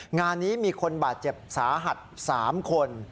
งานนี้มีคนบาดเจ็บสาหัส๓คน